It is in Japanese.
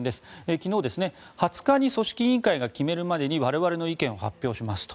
昨日、２０日に組織委員会が決めるまでに我々の意見を発表しますと。